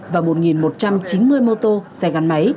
và một một trăm chín mươi mô tô xe gắn máy